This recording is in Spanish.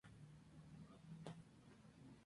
Estudió en Alsasua, en el seminario de Capuchinos.